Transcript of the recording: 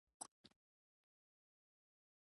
د هضم لپاره باید څه شی وکاروم؟